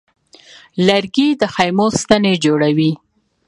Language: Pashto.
لرګی د خیمو ستنې جوړوي.